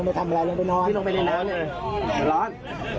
ลวนไปทำอะไรลงไปนอนอยู่ลงไปเล่นหนังนี้ร้อน